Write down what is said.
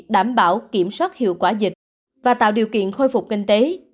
đảm bảo kiểm soát hiệu quả dịch và tạo điều kiện khôi phục kinh tế